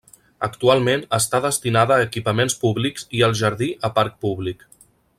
Actualment està destinada a equipaments públics i el jardí a parc públic.